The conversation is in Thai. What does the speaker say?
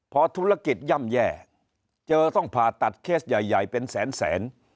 พอธุรกิจย่ำแย่เจอต้องผ่าตัดเคสใหญ่เป็นแสนแสน